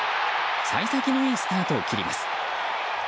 幸先のいいスタートを切ります。